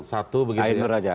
satu begitu ya